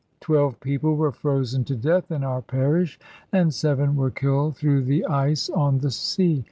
Twelve people were frozen to death in our parish, and seven were killed through the ice on the sea.